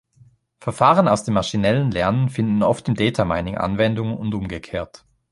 Verfahren aus dem maschinellen Lernen finden oft im Data-Mining Anwendung und umgekehrt.